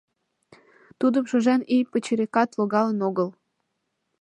Тудым шужен ий пычырикат логалын огыл.